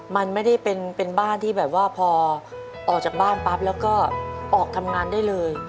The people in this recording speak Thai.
มันไม่ได้เป็นบ้านที่แบบว่าพอออกจากบ้านปั๊บแล้วก็ออกทำงานได้เลย